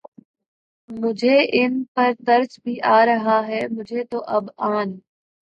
مجھے ان پر ترس بھی آ رہا ہے، مجھے تو اب ان